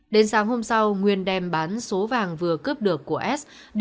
đến sáng hôm sau nguyên đem bán số vàng vừa cướp được của s